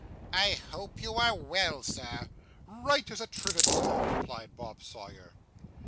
'I hope you are well, sir.' 'Right as a trivet, sir,' replied Bob Sawyer.